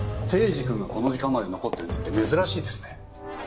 堤司くんがこの時間まで残ってるなんて珍しいですね。